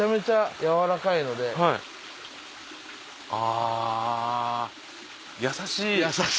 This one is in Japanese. あ優しい。